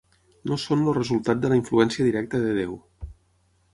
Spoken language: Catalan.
No són el resultat de la influència directa de Déu.